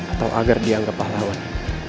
atau agar dianggap pahlawan